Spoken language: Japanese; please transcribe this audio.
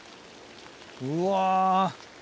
うわ。